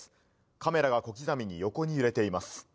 カメラが小刻みに横に揺れています。